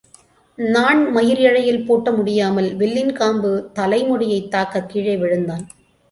நாண் மயிர் இழையில் பூட்ட முடியாமல் வில்லின் காம்பு தலைமுடியைத் தாக்கக் கீழே விழுந்தான்.